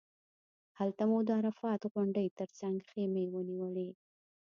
هلته مو د عرفات غونډۍ تر څنګ خیمې ونیولې.